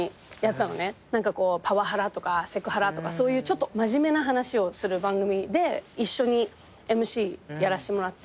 パワハラとかセクハラとかそういうちょっと真面目な話をする番組で一緒にＭＣやらせてもらって。